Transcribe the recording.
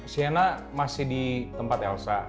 siana masih di tempat elsa